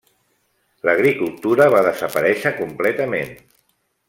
L'agricultura va desaparèixer completament.